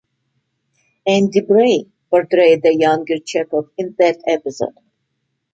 Andy Bray portrayed a younger Chekov in that episode.